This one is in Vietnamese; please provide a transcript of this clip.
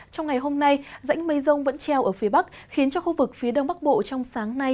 trong ngày hôm nay dãnh mây rông vẫn treo ở phía bắc khiến cho khu vực phía đông bắc bộ trong sáng nay